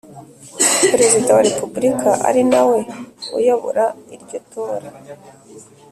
Perezida wa Repubulika ari na we uyobora iryo tora